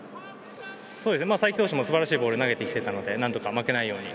才木投手も素晴らしいボールを投げていたので負けないように。